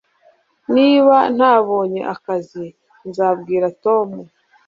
Niba ntabonye akazi nzabwira Tom